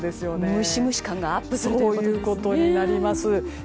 ムシムシ感がアップするということですか。